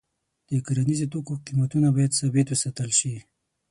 د کرنیزو توکو قیمتونه باید ثابت وساتل شي.